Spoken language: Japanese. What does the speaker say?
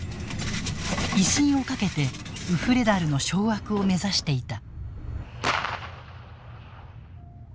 威信をかけてウフレダルの掌握を目指していた。